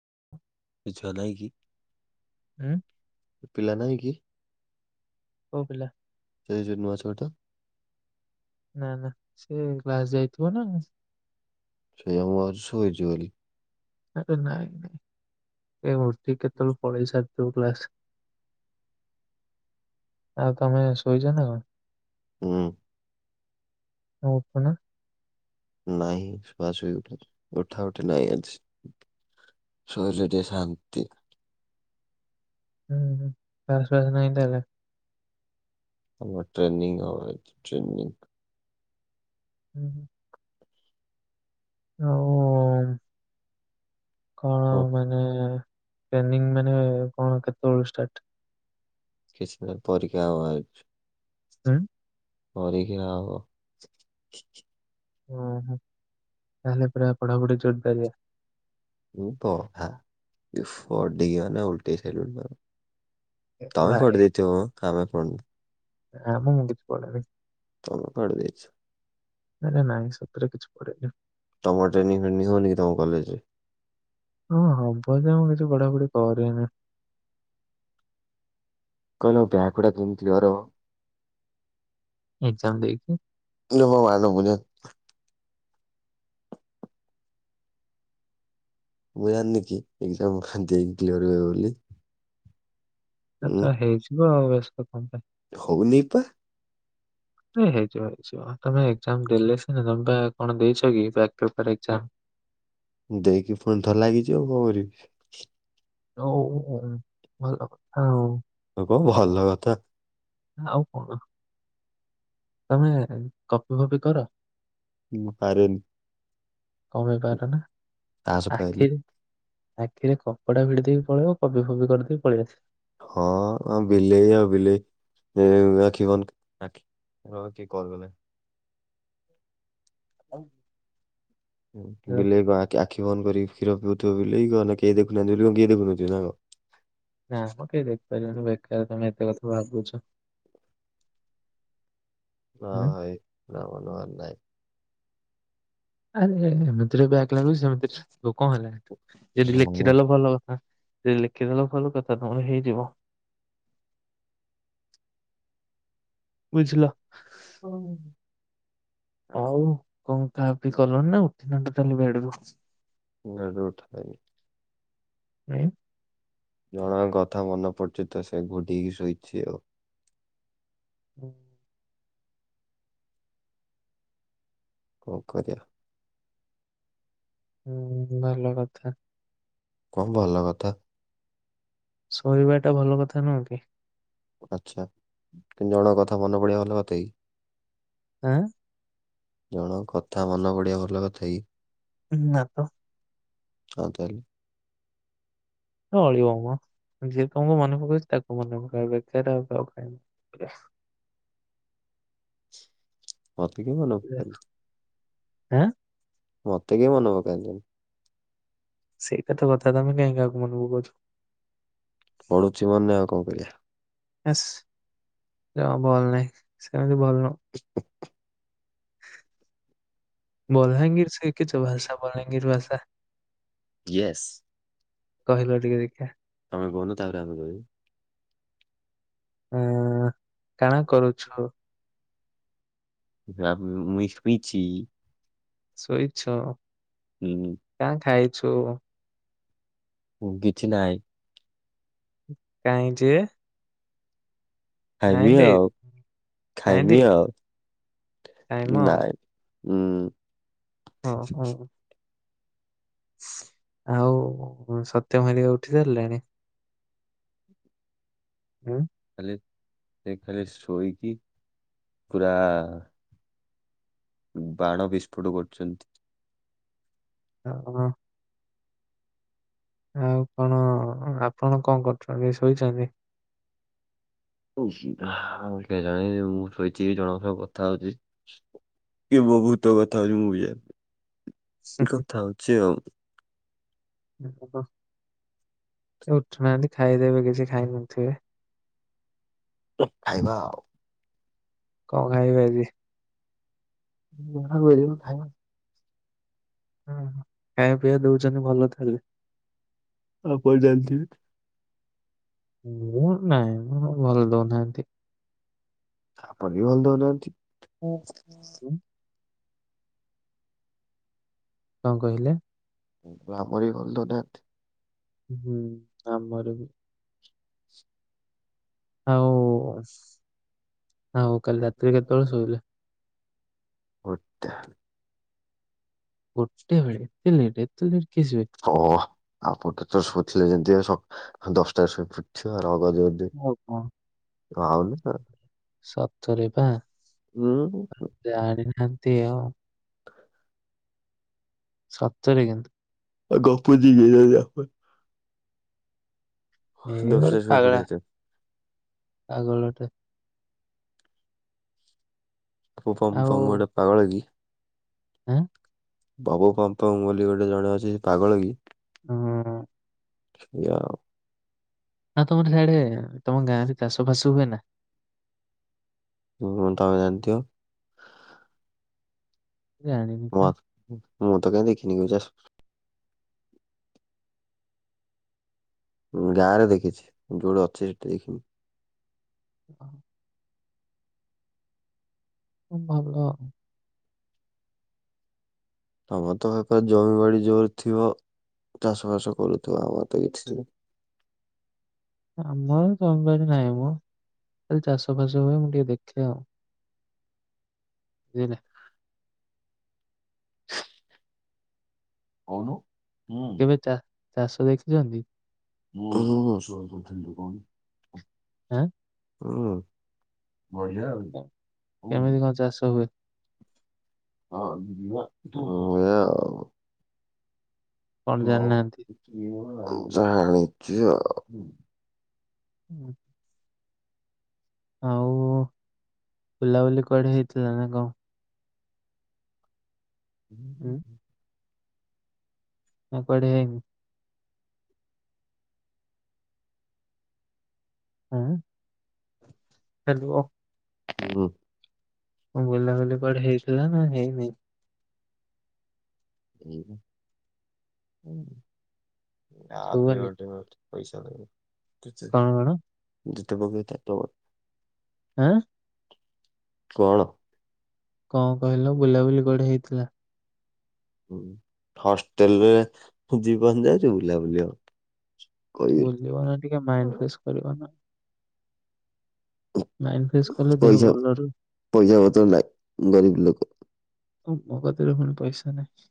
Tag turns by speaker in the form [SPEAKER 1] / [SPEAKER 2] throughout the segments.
[SPEAKER 1] [unintelligible]
[SPEAKER 2] ଜାଲାଇ କି
[SPEAKER 1] ଉଁ
[SPEAKER 2] ପିଲା ନାହିଁ କି?
[SPEAKER 1] କୋଉ ପିଲା
[SPEAKER 2] ସେଇ ଜେ ନୁଆ ଛୁଆଟା।
[SPEAKER 1] ନା ନା ସେ କ୍ଲାସ ଯାଇଥିବ ନା।
[SPEAKER 2] ସେ ଆମ ଘରେ ଶୋଇଚି ବୋଲି
[SPEAKER 1] ଆରେ ନାଇଁ ନାଇଁ ଏ ମୃତ୍ତି କେତେବେଳେ ପଳେଇ ସାରିଥିବ କ୍ଲାସ। ଆଉ ତମେ ଶୋଇଛ ନା କଣ?
[SPEAKER 2] ହୁଁ।
[SPEAKER 1] ହପ ନା।
[SPEAKER 2] ନାଇଁ ଶୁଆ ଶୁଇ ଉଠା ଉଠା ଉଠି ନାଇଁ ଆଜି ଶୋଇଲେ ଟିକେ ଶାନ୍ତିି।
[SPEAKER 1] [unintelligible]
[SPEAKER 2] ଆମର ଟ୍ରେନିଂ ହବା ଏଠି ଟ୍ରେନିଂ।
[SPEAKER 1] ହୁଁ ହୁଁ। ଆଉ କଣ
[SPEAKER 2] ହବ।
[SPEAKER 1] ମାନେ ଟ୍ରେନିଙ୍ଗି ମାନେ କଣ କେତେବେଳ ଷ୍ଟାର୍ଟ?
[SPEAKER 2] କିଛି ଦିନ ପରିକା। [unintelligible]
[SPEAKER 1] ହୁଁ।
[SPEAKER 2] ପରୀକ୍ଷା ହବ ।
[SPEAKER 1] ଓହୋ ତାହେଲେ ପୁରା ପଢାପଢି ଜୋରଦାରିଆ।
[SPEAKER 2] ମୁ ତ ଅଧା ପଢ଼ି କିନା ଓଲେଟେଇସାରିଲୁନି ।
[SPEAKER 1] ଏ
[SPEAKER 2] ତମେ ପଢ଼ି ଦେଇଥିବମ। ଆମେ ପଢିନୁ।
[SPEAKER 1] ନାମ ମୁଁ କିଛି ପଢିନି।
[SPEAKER 2] ହଁ ମୁଁ ପାଢ଼ୀ ଦେଇଚି।
[SPEAKER 1] ଆରେ ନାହିଁ ସତରେ କିଛି ପଢିନି।
[SPEAKER 2] ତମର ଟ୍ରେନିଂ ଫ୍ରେିନିଙ୍ଗ ହୋଉନିକି ତୁମ କଲେଜରେ।
[SPEAKER 1] ହଁ ହବ ଯେ ମୁଁ କିଛି ପଢାପଢ଼ି କରିନି।
[SPEAKER 2] କହିଲ।
[SPEAKER 1] ଏକ୍ଜାମ
[SPEAKER 2] [unintelligible]
[SPEAKER 1] ଦେଇକି
[SPEAKER 2] [unintelligible] ମୁଁ ଜାନିନିକି ଏକଜାମ୍ ଦେଇକି କ୍ଲିୟର ହେବ ବୋଲି ।
[SPEAKER 1] ଏ ତ ହେଇଯିବ ଆଉ ର। [unintelligible]
[SPEAKER 2] ହଉନି ପା।
[SPEAKER 1] ହେଇଯିବ, [unintelligible] ତମେ ଏକ୍ସାମ ଦେଲେ ସିନା ତମେ ପା କଣ ଦେଇଚ କି ବ୍ୟକପେପର୍ ଏକଯାମ୍।
[SPEAKER 2] ଦେଇକି ପୁଣି ଥର ଲାଗିଚି ଆଉ କଣ କରିବି?
[SPEAKER 1] [unintelligible]
[SPEAKER 2] ଆକୁ ଭଲ ଲାଗକଥା।
[SPEAKER 1] ଆଉ କଣ? ତମେ କପି ଫପି କର?
[SPEAKER 2] ମୁଁ ପାରୁନି।
[SPEAKER 1] କଣ ପାଇଁ ପରୁନା
[SPEAKER 2] ତାସ ପାରେନି
[SPEAKER 1] ଆଖିରେ। ଆଖିରେ କପଡା ଭିଡି ଦେଇକି ପଳେଇବ [unintelligible] କରିଦେଇ ପଳେଇ ଆସିବ।
[SPEAKER 2] ହଁ ବିଲେଇ ଆଉ ବିଲେଇ ଆଖିବନ ଆଖି ହଁ କିଏ କଲ କଲେ ।
[SPEAKER 1] [inaudible]
[SPEAKER 2] ବିଲେଇ ବା ଆଖି ବନ୍ଦ କରି କ୍ଷୀର ପିଉଥିବ ବୋଲି [unintelligible] କେହି ଦେଖୁହାନ୍ତି ବୋଲି କଣ କେହି ଦେଖୁନଥିବେ ନା କଣ।
[SPEAKER 1] ନା ମ କେହି ଦେଖିପାରିବିନି ବେକାର ତମେ ଏତେ କଥା ଭାବୁଛ। ହୁଁ
[SPEAKER 2] [unintelligible]
[SPEAKER 1] ଆରେ [unintelligible] ବ୍ୟାକ୍ ଲାଗିଚି ସେମିତିରେ [inaudible] କଣ ହେଲା ହେଟୁ ଯଦି
[SPEAKER 2] ହୁଁ।
[SPEAKER 1] ଲେଖିଦେଲ ଭଲ କଥା। ଯଦି ଲେଖିଦେଲ ଭଲ କଥା ତମର ହେଇଯିବ ବୁଝିଲ।
[SPEAKER 2] [inaudible]
[SPEAKER 1] ଆଉ କଣ ଖା ପି କଲଣି ନା ଉଠିନ ଟୋଟାଲି ବେଡ ରୁ ।
[SPEAKER 2] ବେଡ ରୁ [unintelligible]
[SPEAKER 1] ହୁଁ।
[SPEAKER 2] ଜଣଙ୍କ କଥା ମନେ ପଡୁଚି ତ ଶୋଇଲି ଉଠିକି ଶୋଇଚି ଆଉ।
[SPEAKER 1] [inaudible]
[SPEAKER 2] କଣ କରିବା
[SPEAKER 1] ହୁଁ ଭଲ କଥା।
[SPEAKER 2] କଣ ଭଲ କଥା
[SPEAKER 1] ଶୋଇବା ଟା ଭଲ କଥା ନୁହଁ କି।
[SPEAKER 2] ଆଛା କିନ୍ତୁ ଜଣଙ୍କ କଥା ମନେ ପଡିବା ଭଲ କଥା କି
[SPEAKER 1] ଆଁ
[SPEAKER 2] ଜଣଙ୍କ କଥା ମନ ପଡିବା ଭଲ କଥା କି
[SPEAKER 1] ନା ତ
[SPEAKER 2] ଆଉ ତାହେଲେ
[SPEAKER 1] ଚଳିବ ମ ଯିଏ ତମକୁ ମନେ ପକୋଉଛି ତାକୁ ମନେ ପକାଅ ବେକାର ରେ ଆଉ କାହାକୁ କାଇଁ
[SPEAKER 2] ମତେ କିଏ [unintelligible]
[SPEAKER 1] ଆଁ
[SPEAKER 2] ମୋତେ କିଏ ମନେ ପକାନ୍ତିନି।
[SPEAKER 1] ସେଇଟା ତ କଥା ତମେ କାଇଁ କାହାକୁ ମନେ ପକୋଉଛ
[SPEAKER 2] ପଢୁଛି ମନେ ଆଉ କଣ କରିବା।
[SPEAKER 1] ଏସ୍ ଦେହ ଭଲ ନାହିଁ ସେମି [inaudible] ବଲାଙ୍ଗୀର ସିକିଚୁ ଭାଷା ବଲାଙ୍ଗୀର ଭାଷା [inaudible]
[SPEAKER 2] ୟେସ।
[SPEAKER 1] କହିଲ ଟିକେ ଟଖେ ।
[SPEAKER 2] ଆମେ କନୁ ତାପରେ ଆମେ କହ
[SPEAKER 1] ହଁ। କାଣା କରୁଛୁ ।
[SPEAKER 2] [unintelligible]
[SPEAKER 1] ସୋଇଛ। କା ଖାଇ ଛୁ
[SPEAKER 2] କିଛି ନାହିଁ ।
[SPEAKER 1] କାହିଁ ଯେ ।
[SPEAKER 2] ଖାଇବି ଆଉ
[SPEAKER 1] ନାଇଁ
[SPEAKER 2] ଖାଇବି
[SPEAKER 1] ଦେଇ
[SPEAKER 2] ଆଉ
[SPEAKER 1] କାଇଁ ମ
[SPEAKER 2] ନାଇଁ । ହୁଁ ।
[SPEAKER 1] ହଁ ହଁ । ଆଉ ସତ୍ୟ ଭାରିକା ଉଠି ସାରିଲାଣି ଉ ।
[SPEAKER 2] ତାଲେ ସେ ଖାଲି ସୋଇକି ପୁରା ବାଣ ବିସ୍ଫୋଟ କରୁଛନ୍ତି ।
[SPEAKER 1] ଓ ହ। ଆଉ କଣ ଆପଣ କଣ କରୁଛନ୍ତି ଶୋଇଛନ୍ତି?
[SPEAKER 2] କେଜାଣ ମୁଁ ଶୋଇଛି ଜଣଙ୍କ ସହିତ କଥା ହଉଛି । ଏ ବ ଭୂତ ଗଥା। [unintelligible] [inaudible] ଏ କଥା ହଉଛି ଆଉ।
[SPEAKER 1] ଉଠୁନାହାନ୍ତି ଖାଇଦେବେ କିଛି ଖାଇ ନଥିବେ ।
[SPEAKER 2] ଖାଇବା ଆଉ ।
[SPEAKER 1] କଣ ଖାଇବେ ଆଜି।
[SPEAKER 2] ଖାଇ। [unintelligible]
[SPEAKER 1] ହୁଁ ଖାଇବାକୁ ପିଇକୁ ଦଉଛନ୍ତି ଭଲ ତାହେଲେ ।
[SPEAKER 2] ଆ ଜଲତି ।
[SPEAKER 1] ହ ନାଇଁ ଭଲ ନାହାନ୍ତି ।
[SPEAKER 2] ଆପଣ ବି ଭଲ ଦଉନାନ୍ତି ।
[SPEAKER 1] ହଁ । କଣ କହିଲେ?
[SPEAKER 2] ଗ୍ରମର ଭଲ ଦଉନାନ୍ତି ।
[SPEAKER 1] ହୁଁ ଆମରି ବି ଆଉ ହଁ ହଉ କାଲି ରାତିରେ କେତେବେଳେ ଶୋଇଲ ।
[SPEAKER 2] ଅଟା।
[SPEAKER 1] ଗୋଟେବେଳେ ଏତେ ଲେଟ୍ ଏତେ ଲେ
[SPEAKER 2] ହଁ ଆପଣ କେତଳେ ଶୁଥିଲେ ଯେମିତି। [unintelligible] ଦଶଟାରେ ଶୋଇପଡ଼ିଥିବା ଆଉ । ଟଗଦ ଅଧେ
[SPEAKER 1] ଆଉ କଣ
[SPEAKER 2] । ଆଉନ ।
[SPEAKER 1] ସତରେ ବା ।
[SPEAKER 2] ହୁଁ।
[SPEAKER 1] ସେଇଆ ଆଉ। ସତରେ କିନ୍ତୁ।
[SPEAKER 2] ଆଉ ଗପ [inaudible]
[SPEAKER 1] ଏଇ ଗୋଟେ
[SPEAKER 2] ଦଶଟାରେ ଶୋଇ
[SPEAKER 1] ପାଗଲା।
[SPEAKER 2] ପଡିବା କଥା
[SPEAKER 1] ପାଗଲଟେ।
[SPEAKER 2] [inaudible] ପାଗଳକି।
[SPEAKER 1] ହୁଁ।
[SPEAKER 2] ବାବୁ ପନ୍ତଙ୍ଗ ବୋଲି ଗୋଟେ ଜଣେ ଅଛି ସିଏ ପାଗଳ କି।
[SPEAKER 1] ହୁଁ।
[SPEAKER 2] ଯାହା ହେଉ।
[SPEAKER 1] ନାଁ ତମର ସିଆଡେ ତମ ଗାଁରେ ଚାଷ ଫାସ ହୁଏ ନା।
[SPEAKER 2] ହଁ ତମେ ଜାଣିଥିବ।
[SPEAKER 1] ଜାଣିନି ବା।
[SPEAKER 2] ହ ମୁଁ ତ କାଇହିଁ ଦେଖିନି ଗାଁ ରେ ଦେଖିଛି ଯୋଉଠି ଅଛି ସେଠି ଦେଖିନି।
[SPEAKER 1] ଓ। ଖୁବ୍ ଭଲ।
[SPEAKER 2] ତମରତ ସେପଟେ ଜମିିବାଡି ଜୋର ଥିବ ଚାଷ ବାସ କରୁଥିବ ଆମରତ କିଛି ନାହିଁ।
[SPEAKER 1] ଆମର ଜମିବାଡ଼ି ନାହିଁମ ଖାଲି ଚାଷ ଫାସ ହୁଏ ମୁଁ ଟିକେ ଦେଖେ ଆଉ। [inaudible]
[SPEAKER 2] କୋହୁନୁ।
[SPEAKER 1] କେବେ ଚା ଚାଷ ଦେଖୁଛନ୍ତି।
[SPEAKER 2] [inaudible]
[SPEAKER 1] ଆଁ
[SPEAKER 2] ହୁଁ। ବଢିଆ ଆଉ
[SPEAKER 1] କେମିତି କଣ ଚାଷ ହୁଏ।
[SPEAKER 2] ହଁ ଏଇଆ ଆଉ।
[SPEAKER 1] କଣ
[SPEAKER 2] ହ
[SPEAKER 1] ଜାଣିନାହାନ୍ତି
[SPEAKER 2] ଏ ଜାଣିଛି ଆଉ।
[SPEAKER 1] ହୁଁ। ଆଉ ବୁଲାବୁଲି କୁଆଡେ ହେଇଥିଲା ନା କଣ।
[SPEAKER 2] [inaudible]
[SPEAKER 1] ଆଉ କୁଆଡେ ଯାଇ ହଁ। ହ୍ୟାଲୋ।
[SPEAKER 2] ହୁଁ।
[SPEAKER 1] ବୁଲା ବୁଲି କୁଆଡେ ହେଇଥିଲା ନା ହେଇନି?
[SPEAKER 2] ହ ହୁଁ। ଆପରେ
[SPEAKER 1] ଶୁଭୁନି
[SPEAKER 2] ଗୋଟେଗୋଟେ ପଇସା କେତେ?
[SPEAKER 1] କଣ କଣ
[SPEAKER 2] ଯେ [unintelligible]
[SPEAKER 1] ଆଁ।
[SPEAKER 2] କଣ?
[SPEAKER 1] କଣ କହିଲ? ବୁଲାବୁଲି କୁଆଡେ ହେଇଥିଲା?
[SPEAKER 2] ହଷ୍ଟେଲରେ ଜୀବନ ଯାଉଛି, ବୁଲାବୁଲି ହବ!
[SPEAKER 1] ବୁଲିବ ନା ଟିକେ! ମାଇଣ୍ଡ ଫ୍ରେଶ କରିବ ନା। ମାଇଣ୍ଡ ଫ୍ରେଶ କଲେ ଦେହ
[SPEAKER 2] ପଇସା!
[SPEAKER 1] ଭଲ ରହୁ
[SPEAKER 2] ପଇସା ପତ୍ର ନାହିଁ। ଗରିବ ଲୋକ।
[SPEAKER 1] ମଗତିରେ ପୁଣି ପଇସା ନାହିଁ।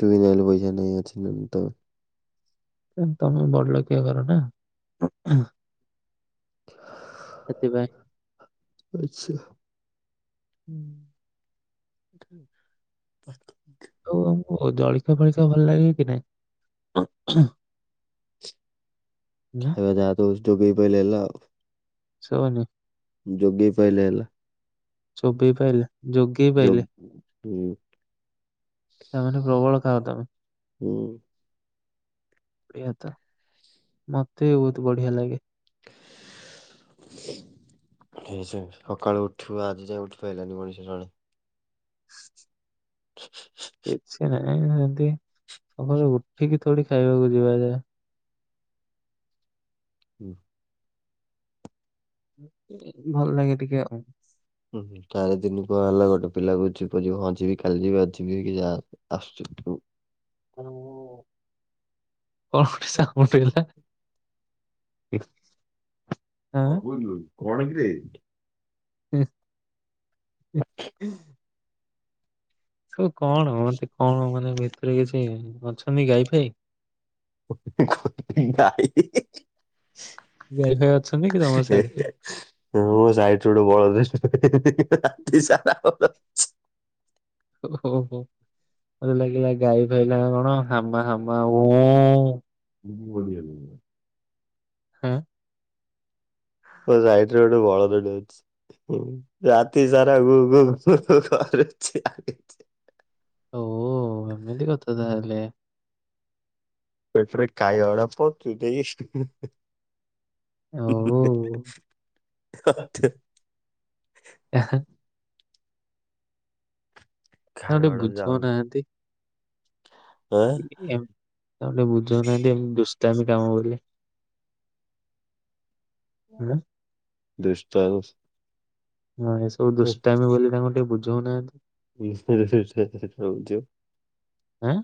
[SPEAKER 2] ତୁମି [unintelligible] ପଇସା। [unintelligible]
[SPEAKER 1] ତମେ ବଡ ଲୋକିଆ ଘର ନା! ସେଥିପାଇଁ
[SPEAKER 2] ଛୁଁ!
[SPEAKER 1] ହୁଁ!
[SPEAKER 2] [inaudible]
[SPEAKER 1] ଆଉ ଆମକୁ ଜଳଖିଆ ଫଳଖିଆ ଭଲ ଲାଗେ କି ନାହିଁ?
[SPEAKER 2] ଖାଇବା ଯାହା ଦଉଚି, ଚୋବେଇ ପାଇଲେ ହେଲା ଆଉ।
[SPEAKER 1] ସୁବୁନି।
[SPEAKER 2] ଯୋଗେଇ ପାଇଲେ ହେଲା।
[SPEAKER 1] ଚୋବେଇ ପାଇଲେ। ଯୋଗେଇ
[SPEAKER 2] ଯୋ
[SPEAKER 1] ପାଇଲେ।
[SPEAKER 2] ହୁଁ
[SPEAKER 1] ତା, ମାନେ ପ୍ରବଳ ଖାଅ ତମେ।
[SPEAKER 2] ହୁଁ।
[SPEAKER 1] ଏଇଆ ତ, ମତେ ବହୁତ ବଢିଆ ଲାଗେ।
[SPEAKER 2] ସେ, ସେ ସକାଳୁ ଉଠିବ ଆଜି ଯାଏ ଉଠି ପାଇଲାନି ମଣିଷ ଜଣେ?
[SPEAKER 1] [inaudible]
[SPEAKER 2] ହ
[SPEAKER 1] କିଛି ନାହିଁ, ଏଁ ତି ସକାଳ ଉଠିକି ଥୋଡି ଖାଇବାକୁ ଯିବା ଯା।
[SPEAKER 2] ହୁଁ।
[SPEAKER 1] ଭଲ ଲାଗେ ଟିକେ ଆଉ।
[SPEAKER 2] ହୁ, ଚାରି ଦିନ କୁଆ ହେଲା ଗୋଟେ ପିଲାକୁ ଯିବ ଯିବ ହଁ ଯିବି କାଲି ଯିବି ଆଜି ଯିବି ହେଇକି ଯା ଆସୁଛି।
[SPEAKER 1] କଣ ଗୋଟେ ସାଉଣ୍ଡ ହେଲା? ଠିକ
[SPEAKER 2] ହଗୁଲୁ କଣ କି ରେ।
[SPEAKER 1] ହୁ! [inaudible] ସେ କଣ ମ, ସେ କଣ ମାନେ ଭିତରୁ କିଛି ଅଛନ୍ତି ଗାଈ ଫାଇ।
[SPEAKER 2] ଗାଇ ମୋ ସାଇଟ୍
[SPEAKER 1] ଗାଈ ଫାଇ ଅଛନ୍ତି କି ତମ
[SPEAKER 2] ରୁ
[SPEAKER 1] ସିଆଡେ?
[SPEAKER 2] ଗୋଟେ ବଳଦ ଖତ ତା ସା
[SPEAKER 1] ଓୋ ମୋତେ ଲାଗିଲା ଗାଈ ଫାଇଲା କଣ ହାମା ହାମା
[SPEAKER 2] ହୁଁ ବଢିଆ ବ
[SPEAKER 1] ହଁ
[SPEAKER 2] ସାଇଟ ଗୋଟେ ଭଳରେ ଡାନ୍ସ ହଁ ଜାତି ସର ଆରଛି ଆଛି।
[SPEAKER 1] ଓହ ଏମିତି କଥା ତାହେଲେ
[SPEAKER 2] ପେଟରେ କାଇ ଅଡପ ତୁ ଦେଇସ
[SPEAKER 1] ଓ
[SPEAKER 2] ଆଛ।
[SPEAKER 1] ତାଙ୍କୁ ଆ ଟିକେ
[SPEAKER 2] ଖାଇବାଗୁଡା ଯାଉନି
[SPEAKER 1] ବୁଝଉନାହାନ୍ତି।
[SPEAKER 2] ଆଁ
[SPEAKER 1] ତମ ବୁଝ ନାନ୍ତି ଏ ଦ ତମ କାମବଲେ ହ
[SPEAKER 2] ଦୃଷ୍ଟାନ
[SPEAKER 1] ହଁ ଏ ସବୁ ଦୁଷ୍ଟମ ବୋଲି ତାଙ୍କ କେ ବୁଝଉନାହାନ୍ତି।
[SPEAKER 2] ଝ
[SPEAKER 1] ଆଁ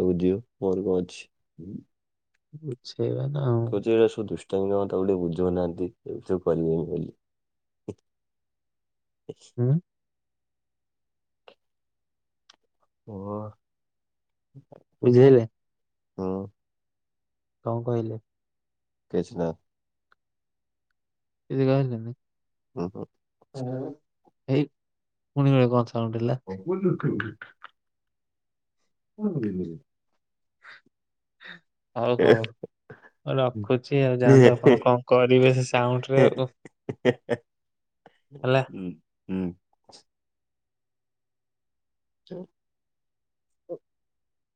[SPEAKER 2] ରହୁଝଉ ମ କଛି।
[SPEAKER 1] ବଛା। ସେେଇବେ ନା ଆଉ
[SPEAKER 2] ତଉ ଟିକେ ବୁଝୁନାହାନ୍ତି ଏ କିବେନି ବୋଲି
[SPEAKER 1] ହୁଁ।
[SPEAKER 2] ଓୁ
[SPEAKER 1] ବୁଝିଲେ
[SPEAKER 2] ହଁ।
[SPEAKER 1] କଣ କହିଲେ?
[SPEAKER 2] କିଛି ନା
[SPEAKER 1] କିଛି କହିଲେ
[SPEAKER 2] ହ ହୋ।
[SPEAKER 1] ହେ ମୁୁଣିିବ କ
[SPEAKER 2] ହଉ ବୋଲୁ [inaudible] ହଁ ମୁଁ ଯିବିନି
[SPEAKER 1] ହଁ। ହଉ ହଉ ରଖୁଛି ଆଉ ଯାଆନ୍ତୁ ଆପଣ କଣ କରିବେ ସେ ସାଉଣ୍ଡରେ ଆଉ।
[SPEAKER 2] ଏକ।
[SPEAKER 1] ହେଲା।
[SPEAKER 2] ହୁଁ। ହୁଁ। [inaudible]